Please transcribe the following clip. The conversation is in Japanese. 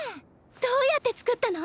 どうやって作ったの？